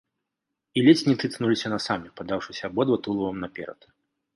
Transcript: І ледзь не тыцнуліся насамі, падаўшыся абодва тулавам наперад.